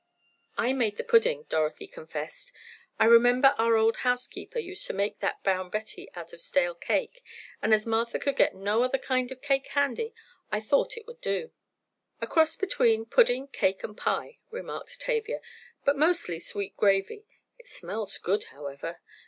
"I made the pudding," Dorothy confessed. "I remember our old housekeeper used to make that Brown Betty out of stale cake, and as Martha could get no other kind of cake handy I thought it would do." "A cross between pudding, cake and pie," remarked Tavia, "but mostly sweet gravy. It smells good, however.